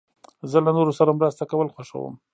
زه له نورو سره مرسته کول خوښوم.